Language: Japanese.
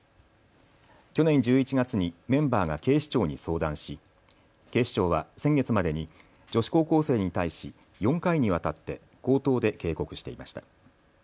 去年１１月にメンバーが警視庁に相談し警視庁は先月までに女子高校生に対し４回にわたって口頭で警告していました。